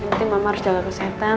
penting mama harus jaga kesehatan